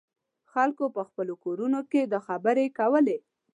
خلکو په خپلو کورونو کې دا خبرې کولې.